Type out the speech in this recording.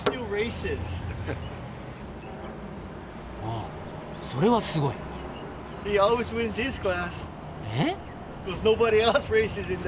ああそれはすごい！えっ？